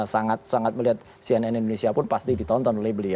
sangat sangat melihat cnn indonesia pun pasti ditonton